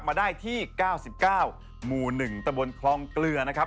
มาได้ที่๙๙หมู่๑ตะบนคลองเกลือนะครับ